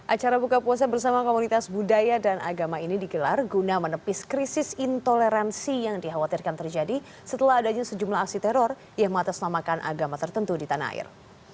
acara buka puasa bersama komunitas budaya dan agama ini digelar guna menepis krisis intoleransi yang dikhawatirkan terjadi setelah adanya sejumlah aksi teror yang mengatasnamakan agama tertentu di tanah air